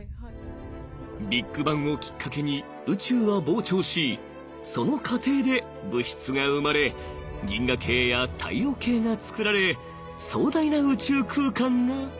ビッグバンをきっかけに宇宙は膨張しその過程で物質が生まれ銀河系や太陽系がつくられ壮大な宇宙空間が広がった。